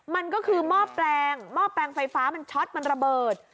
มันก็คือหม้อแปลงหม้อแปลงไฟฟ้ามันช็อตมันระเบิด